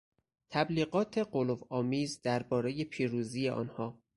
تبلیغات غلوآمیز دربارهی پیروزی آنها